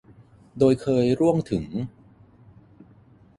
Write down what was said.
โดยเคยร่วงถึง